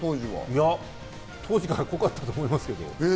いや、当時は濃かったと思いますけど。